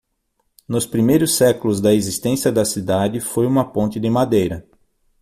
Nos primeiros séculos da existência da cidade, foi uma ponte de madeira.